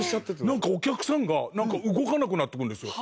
なんかお客さんが動かなくなってくるんですよ。